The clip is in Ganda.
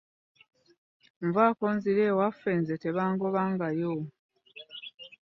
Nvaako nzire ewaffe nze tebangobangayo.